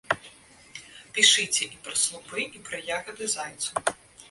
Пішыце і пра слупы, і пра ягады, зайцаў.